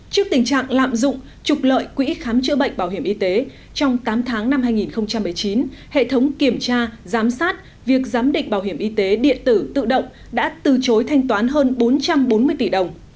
trước tình trạng lạm dụng trục lợi quỹ khám chữa bệnh bảo hiểm y tế trong tám tháng năm hai nghìn một mươi chín hệ thống kiểm tra giám sát việc giám định bảo hiểm y tế điện tử tự động đã từ chối thanh toán hơn bốn trăm bốn mươi tỷ đồng